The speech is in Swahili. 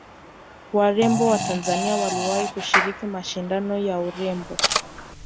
warembo wa tanzania waliwahi kushiriki mashindano ya urembo